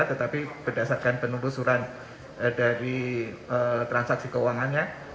tetapi berdasarkan penelusuran dari transaksi keuangannya